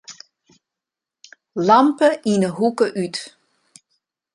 Lampe yn 'e hoeke út.